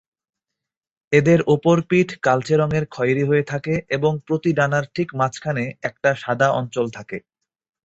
এদের ওপর-পিঠ কালচে খয়েরি রঙের হয়ে থাকে এবং প্রতি ডানার ঠিক মাঝখানে একটা সাদা অঞ্চল থাকে।